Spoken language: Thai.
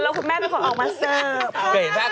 แล้วคุณแม่เป็นคนออกมาเสิร์ฟ